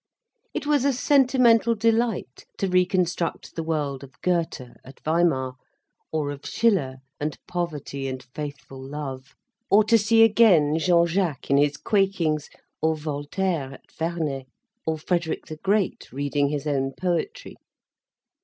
It was a sentimental delight to reconstruct the world of Goethe at Weimar, or of Schiller and poverty and faithful love, or to see again Jean Jacques in his quakings, or Voltaire at Ferney, or Frederick the Great reading his own poetry.